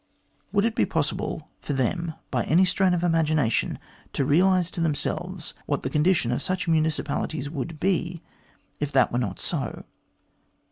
Would it be possible for them, by any strain of imagination, to realise to themselves what the condition of such municipalities would be if that were not so